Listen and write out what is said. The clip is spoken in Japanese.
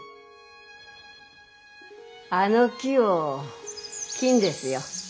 あの木を切んですよ